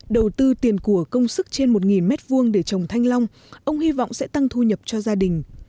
đầu tư tiền của công sức trên một m hai để trồng thanh long ông hy vọng sẽ tăng thu nhập cho gia đình